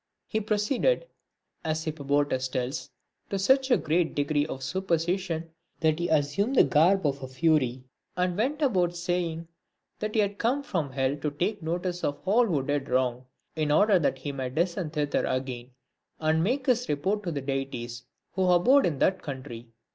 II. He proceeded, as Hippobotus tells, to such a great degree of superstition, that he assumed the garb of a fury, and went about saying that he had come from hell to take notice of all who did wrong, in order that he might descend thither again and make his report to the deities who abode in that country.